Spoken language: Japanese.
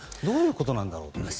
どういうことなんだろうと。